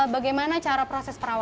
bagaimana cara proses pembeliannya